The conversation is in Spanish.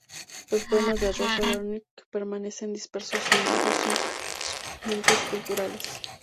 Los poemas de Rosa Wernicke permanecen dispersos en viejos suplementos culturales.